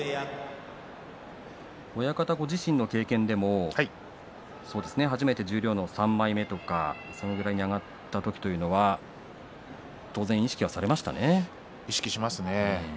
親方ご自身の経験でも初めて十両の３枚目とかそのぐらいに上がった時当然意識、されました？